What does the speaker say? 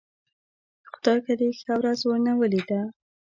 خدايکه دې ښه ورځ ورنه ولېده.